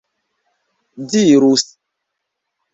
dirus